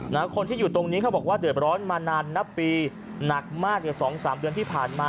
คนที่อยู่ตรงนี้เขาบอกว่าเดือดร้อนมานานนับปีหนักมากกว่าสองสามเดือนที่ผ่านมา